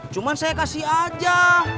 cuman saya kasih aja